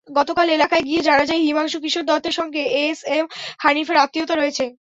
গতকাল এলাকায় গিয়ে জানা যায়, হিমাংশু কিশোর দত্তের সঙ্গে এসএম হানিফের আত্মীয়তা রয়েছে।